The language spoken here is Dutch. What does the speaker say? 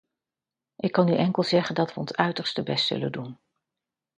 Ik kan u enkel zeggen dat we ons uiterste best zullen doen.